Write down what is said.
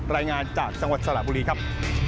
รายงานจากจังหวัดสระบุรีครับ